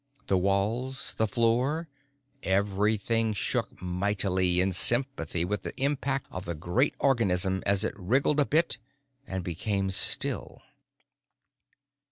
The walls, the floor, everything, shook mightily in sympathy to the impact of the great organism as it wriggled a bit and became still.